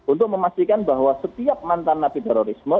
untuk memastikan bahwa setiap mantan napi terorisme